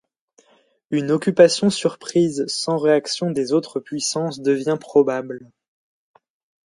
Une occupation-surprise sans réaction des autres puissances devient probable.